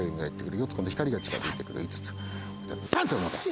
４つ今度光が近づいて来る５つパン！と鳴らす。